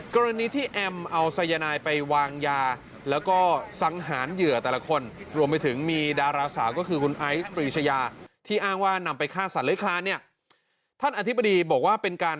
กรณีที่แอมเอาสายาฯนายไปวางยาแล้วก็ชัดสังหานเหยื่อแต่ละคน